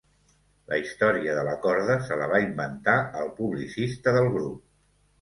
La història de la corda se la va inventar el publicista del grup.